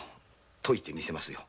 といてみせますよ。